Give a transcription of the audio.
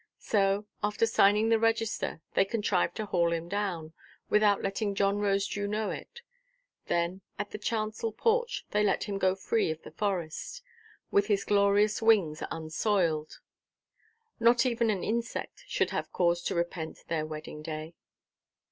So, after signing the register, they contrived to haul him down, without letting John Rosedew know it; then at the chancel–porch they let him go free of the Forest, with his glorious wings unsoiled. Not even an insect should have cause to repent their wedding–day.